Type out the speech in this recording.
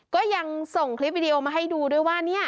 ก็ยังส่งคลิปวิดีโอมาให้ดูด้วยว่าเนี่ย